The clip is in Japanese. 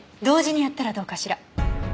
同時にやったらどうかしら？